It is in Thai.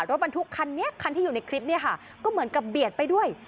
รถบรรทุกคันนี้คันที่อยู่ในคลิปเนี่ยค่ะก็เหมือนกับเบียดไปด้วย